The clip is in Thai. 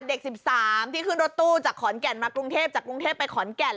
เด็ก๑๓ที่ขึ้นรถตู้จากขอนแก่นมากรุงเทพจากกรุงเทพไปขอนแก่น